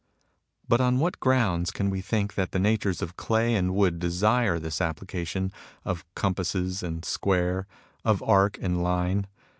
But on what grounds can we think that the natures of clay and wood desire this application of compasses and square, of arc and line